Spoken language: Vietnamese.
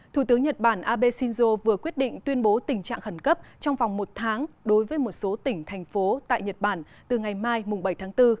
thủ tướng nhật bản abe shinzo vừa quyết định tuyên bố tình trạng khẩn cấp trong vòng một tháng đối với một số tỉnh thành phố tại nhật bản từ ngày mai bảy tháng bốn